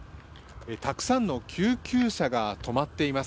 たくさんの救急車が止まっています。